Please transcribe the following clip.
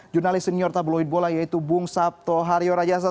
jurnalis senior tabloid bola yaitu bung sabtoharyo rajasa